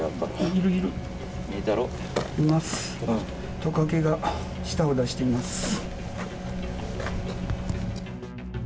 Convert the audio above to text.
トカゲが舌を出しています。